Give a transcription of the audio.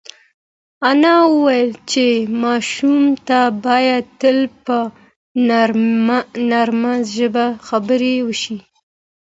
انا وویل چې ماشوم ته باید تل په نرمه ژبه خبرې وشي.